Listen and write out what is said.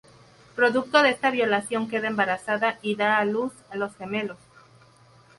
Producto de esta violación, queda embarazada y da a luz a los gemelos.